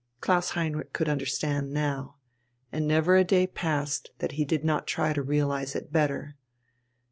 Klaus Heinrich could understand now, and never a day passed that he did not try to realize it better.